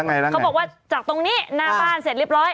เขาบอกว่าจากตรงนี้หน้าบ้านเสร็จเรียบร้อย